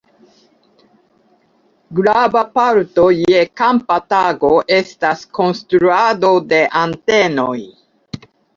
Grava parto je kampa tago estas konstruado de antenoj.